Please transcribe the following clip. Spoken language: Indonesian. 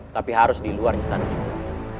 tapi harus di luar istana juga